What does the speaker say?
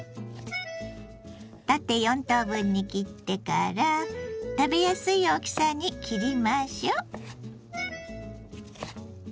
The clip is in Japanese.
縦４等分に切ってから食べやすい大きさに切りましょう。